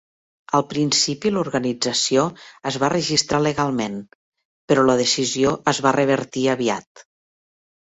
Al principi l'organització es va registrar legalment, però la decisió es va revertir aviat.